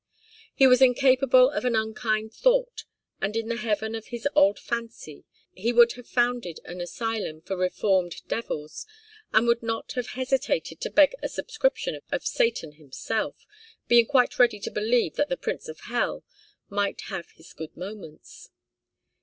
He was incapable of an unkind thought, and in the heaven of his old fancy he would have founded an asylum for reformed devils and would not have hesitated to beg a subscription of Satan himself, being quite ready to believe that the Prince of Hell might have his good moments.